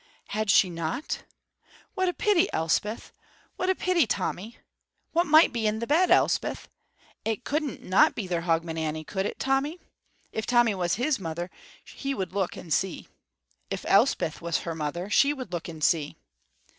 Had she not? What a pity, Elspeth! What a pity, Tommy! What might that be in the bed, Elspeth? It couldn't not be their Hogmanay, could it, Tommy? If Tommy was his mother he would look and see. If Elspeth was her mother she would look and see.